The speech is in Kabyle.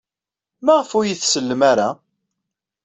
Maɣef ur iyi-tsellem ara?